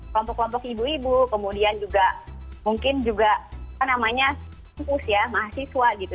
kelompok kelompok ibu ibu kemudian juga mungkin juga apa namanya kampus ya mahasiswa gitu